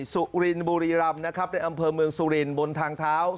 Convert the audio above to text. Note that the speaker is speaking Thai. ซูรินบูรีรำในอำเภอเมืองซูรินบนทางเท้า